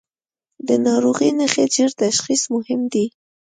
د ناروغۍ نښې ژر تشخیص مهم دي.